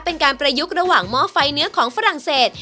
เป็นการประยุกต์ระหว่างหม้อไฟเนื้อของฝรั่งเศส